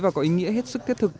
và có ý nghĩa hết sức thiết thực